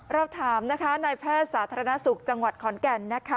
เราถามนะคะนายแพทย์สาธารณสุขจังหวัดขอนแก่นนะคะ